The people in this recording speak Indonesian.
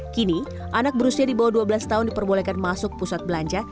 kini anak berusia di bawah dua belas tahun diperbolehkan masuk pusat belanja